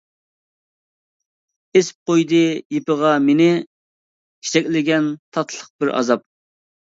ئېسىپ قويدى يىپىغا مېنى، چېچەكلىگەن تاتلىق بىر ئازاب.